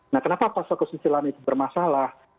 nah kenapa pasal kesusilaan itu bermasalah